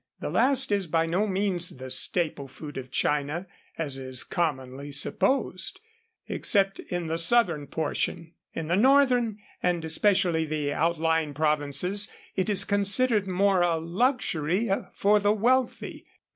The last is by no means the staple food of China, as is commonly supposed, except in the southern portion. In the northern, and especially the outlying, provinces it is considered more a luxury for the wealthy.